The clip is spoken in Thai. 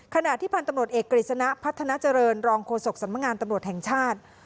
ขณะที่พันธุ์ตำรวจเอกกฤษณะพัฒนาเจริญรองโฆษกสำนักงานตำรวจแห่งชาติ